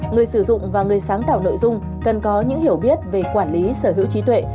người sử dụng và người sáng tạo nội dung cần có những hiểu biết về quản lý sở hữu trí tuệ